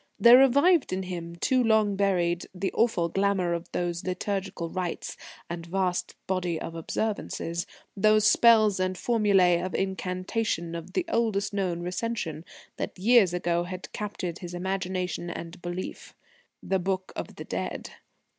There revived in him, too long buried, the awful glamour of those liturgal rites and vast body of observances, those spells and formulae of incantation of the oldest known recension that years ago had captured his imagination and belief the Book of the Dead.